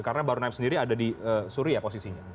karena baru naim sendiri ada di suri ya posisinya